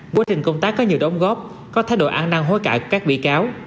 quá trình công tác có nhiều đóng góp có thái độ ăn năng hối cãi của các bị cáo